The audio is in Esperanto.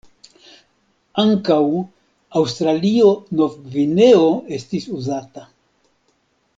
Ankaŭ "Aŭstralio-Nov-Gvineo" estis uzata.